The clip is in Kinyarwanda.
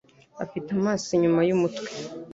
Afite amaso inyuma yumutwe.